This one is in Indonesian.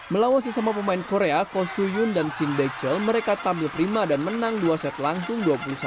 melawan sesama pemain korea ko soo yoon dan shin baek jeol mereka tampil prima dan menang dua set langsung dua puluh satu enam belas